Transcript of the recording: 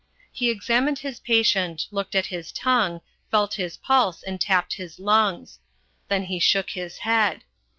He examined his patient, looked at his tongue, felt his pulse and tapped his lungs. Then he shook his head.